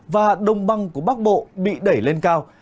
và đồng băng của bắc bộ bị đẩy lên cao